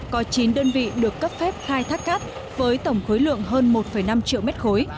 có chín đơn vị được cấp phép khai thác cát với tổng khối lượng hơn một năm triệu mét khối